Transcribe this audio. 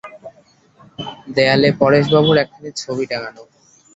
দেয়ালে পরেশবাবুর একখানি ছবি টাঙানো।